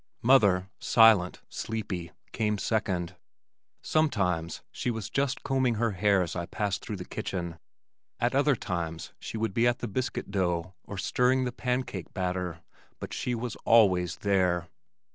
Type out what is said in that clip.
Mother, silent, sleepy, came second. Sometimes she was just combing her hair as I passed through the kitchen, at other times she would be at the biscuit dough or stirring the pancake batter but she was always there!